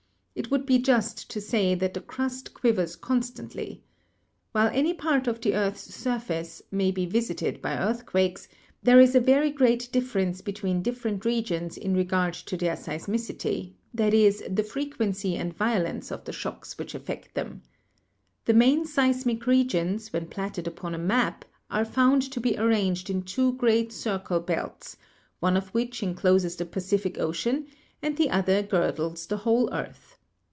It would be just to say that the crust quivers constantly. While any part of the earth's surface may be visited by earthquakes, there is a very great difference between different regions in regard to their seismicity — i.e., the frequency and vio lence of the shocks which affect them. The main seismic regions, when platted upon a map, are found to be ar ranged in two great circle belts, one of which encloses the Pacific Ocean and the other girdles the whole earth.